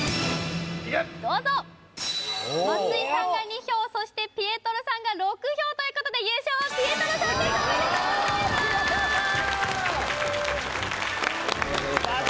どうぞ松井さんが２票そしてピエトロさんが６票ということで優勝はピエトロさんですおめでとうございますありがとうございます